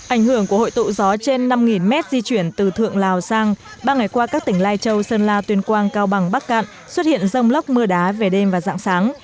ảnh hưởng của hội tụ gió trên năm mét di chuyển từ thượng lào sang ba ngày qua các tỉnh lai châu sơn la tuyên quang cao bằng bắc cạn xuất hiện rông lóc mưa đá về đêm và dạng sáng